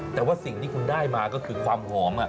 แต่ว่าสิ่งที่คุณได้มาก็คือความหอม